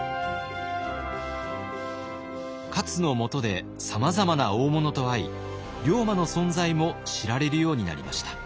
勝のもとでさまざまな大物と会い龍馬の存在も知られるようになりました。